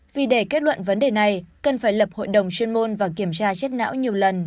vì để kết luận vấn đề này cần phải lập hội đồng chuyên môn và kiểm tra chết não nhiều lần